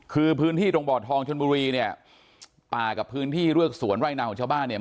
คือพื้นที่ตรงบ่อทองชนบุรีเนี่ยป่ากับพื้นที่เลือกสวนไร่นาของชาวบ้านเนี่ย